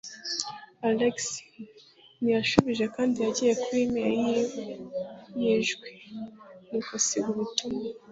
Alex ntiyashubije kandi yagiye kuri mail ye yijwi, nuko asiga ubutumwa.